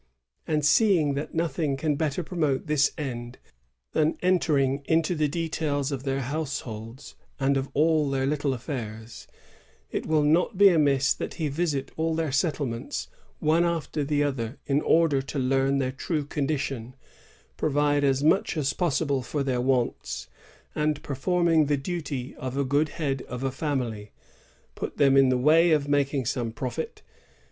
And, seeing that nothing can better pro mote this end than entering into the details of their households and of all their little affairs, it will not be amiss that he visit all their settlements one after the other in order to learn their true condition, provide as much as possible for their wants, and, performing the duty of a good head of a family, put them in the way of making some profit."